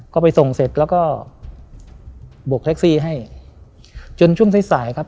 ก็ไปส่งเสร็จแล้วก็บกแท็กซี่ให้จนช่วงสายสายครับ